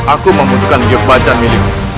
aku membentukkan gepat jarmilion